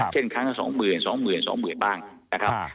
เช่นครั้งสองหมื่นสองหมื่นสองหมื่นบ้างนะครับ